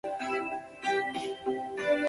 她的母亲劳拉是珠宝店和舞蹈学校的业主。